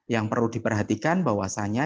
yang perlu diperhatikan bahwasannya